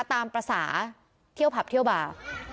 ตามภาษาเที่ยวผับเที่ยวบาร์